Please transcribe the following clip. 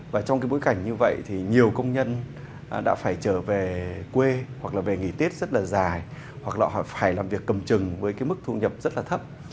và trong cái bối cảnh như vậy thì nhiều công nhân đã phải trở về quê hoặc là về nghỉ tiết rất là dài hoặc là họ phải làm việc cầm chừng với cái mức thu nhập rất là thấp